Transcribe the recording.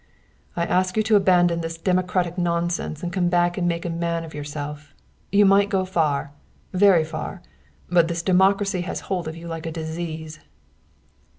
"I ask you to abandon this democratic nonsense and come back and make a man of yourself. You might go far very far; but this democracy has hold of you like a disease."